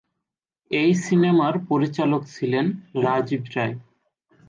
এই সিনেমার পরিচালক ছিলেন রাজীব রাই।